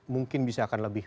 mungkin bisa akan lebih